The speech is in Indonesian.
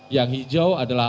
yang hijau adalah